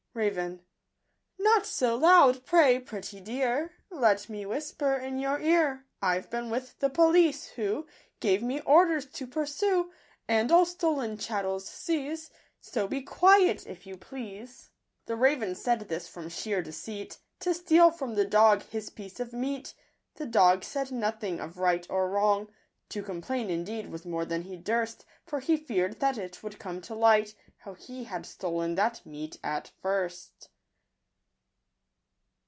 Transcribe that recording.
Raven .—" Not so loud, pray, pretty dear, Let me whisper in your ear : I've been with the police, who Gave me orders to pursue And all stolen chattels seize ; So be quiet, if you please." The raven said this from sheer deceit, To steal from the dog his piece of meat. The dog said nothing of wrong or right ; To complain, indeed, was more than he durst, For he feared that it would come to light How he had stolen that meat at first.